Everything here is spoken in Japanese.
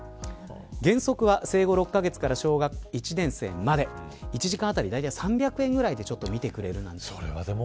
原則は生後６カ月から小学１年生まで１時間当たり３００円で見てくれるという。